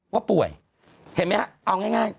ว่าป่วยเห็นไหมฮะเอาง่าย